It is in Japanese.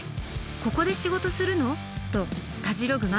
ここで仕事するの？」とたじろぐマウント武士。